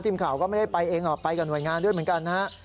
ทีมข่าวก็ไม่ได้ไปเองหรอกไปกับหน่วยงานด้วยเหมือนกันนะฮะ